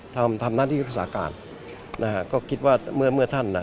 ทำหน้าที่รักษาการนะฮะก็คิดว่าเมื่อเมื่อท่านน่ะ